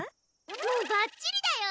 もうばっちりだよ！